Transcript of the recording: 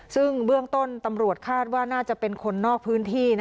ซึ่งเบื้องต้นตำรวจคาดว่าน่าจะเป็นคนนอกพื้นที่